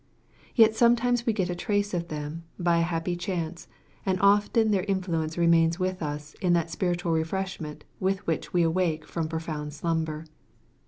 Yet sometimes we get a trace of them, by a happy chance, and often their influence remains with us in that spiritual refreshment with which we awake from profound slumber.